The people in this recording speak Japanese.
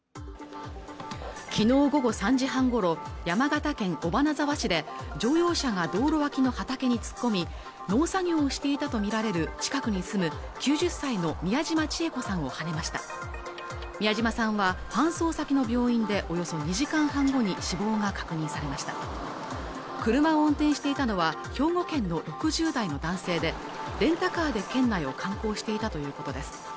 昨日午後３時半ごろ山形県尾花沢市で乗用車が道路脇の畑に突っ込み農作業をしていたとみられる近くに住む９０歳の宮嶋チエ子さんをはねました宮嶋さんは搬送先の病院でおよそ２時間半後に死亡が確認されました車を運転していたのは兵庫県の６０代の男性でレンタカーで県内を観光していたということです